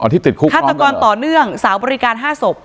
อ๋อที่ติดคุกพร้อมกันเหรอธัตรกรต่อเนื่องสาวบริการห้าศพ